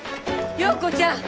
洋子ちゃん！